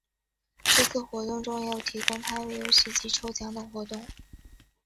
是次活动中也有提供摊位游戏及抽奖等活动。